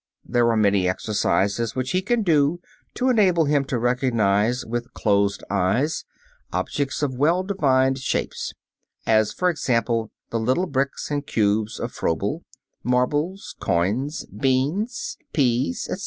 There are many exercises which he can do to enable him to recognize with closed eyes objects of well defined shapes, as, for example, the little bricks and cubes of Froebel, marbles, coins, beans, peas, etc.